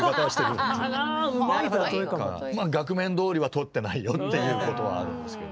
まあ額面どおりはとってないよっていうことはあるんですけど。